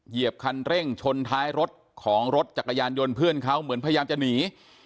เหยียบคันเร่งชนท้ายรถของรถจักรยานยนต์เพื่อนเขาเหมือนพยายามจะหนี